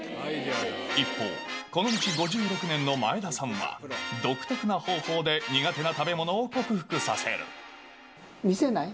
一方、この道５６年の前田さんは、独特な方法で苦手な食べ物を克服見せない？